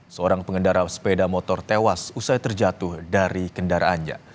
seorang pengendara sepeda motor tewas usai terjatuh dari kendaraannya